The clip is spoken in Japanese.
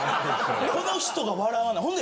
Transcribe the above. この人が笑わな。